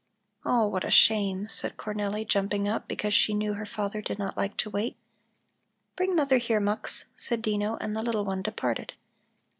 "Oh, what a shame!" said Cornelli, jumping up because she knew her father did not like to wait. "Bring mother here, Mux," said Dino, and the little one departed.